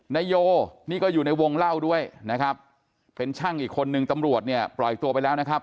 นายโยนี่ก็อยู่ในวงเล่าด้วยนะครับเป็นช่างอีกคนนึงตำรวจเนี่ยปล่อยตัวไปแล้วนะครับ